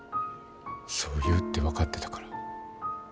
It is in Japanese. そう言うって分かってたから。